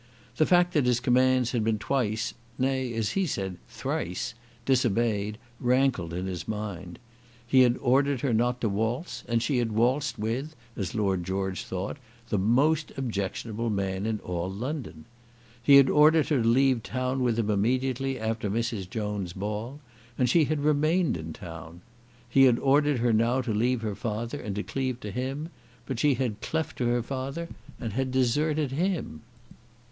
The fact that his commands had been twice, nay as he said thrice, disobeyed rankled in his mind. He had ordered her not to waltz, and she had waltzed with, as Lord George thought, the most objectionable man in all London. He had ordered her to leave town with him immediately after Mrs. Jones's ball, and she had remained in town. He had ordered her now to leave her father and to cleave to him; but she had cleft to her father and had deserted him.